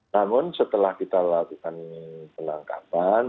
namun setelah kita lakukan penangkapan